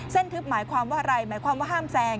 ทึบหมายความว่าอะไรหมายความว่าห้ามแซง